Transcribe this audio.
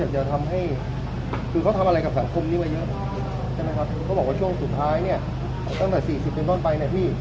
ใช่ไหมครับเขาบอกว่าช่วงสุดท้ายเนี้ยตั้งแต่สี่สิบปริงต้อนไปนะพี่